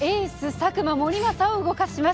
佐久間盛政を動かします！